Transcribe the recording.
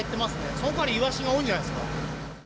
その代わり、イワシが多いんじゃないですか？